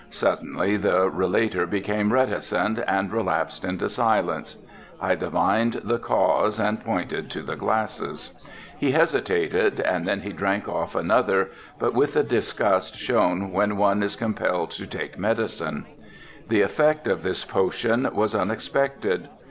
Suddenly the relator became reticent and relapsed into silence. I divined the cause and pointed to the glasses. He hesitated and then drank off another but with the disgust shewn when one is compelled to take medicine. The effect of this potion was unexpected.